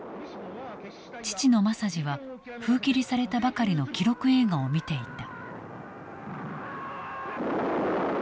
父の政次は封切りされたばかりの記録映画を見ていた。